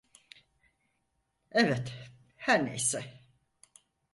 Evet, herneyse.